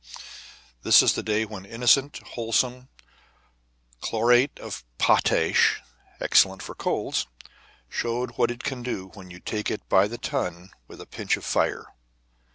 This was the day when innocent, wholesome chlorate of potash (excellent for colds) showed what it can do when you take it by the ton with a pinch of fire.